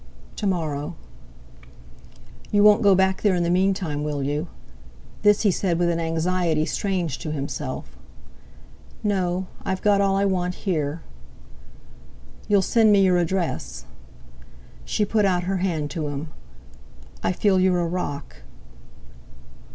"To morrow." "You won't go back there in the meantime, will you?" This he said with an anxiety strange to himself. "No; I've got all I want here." "You'll send me your address?" She put out her hand to him. "I feel you're a rock."